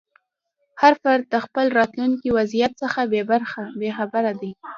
هر فرد د خپل راتلونکي وضعیت څخه بې خبره دی.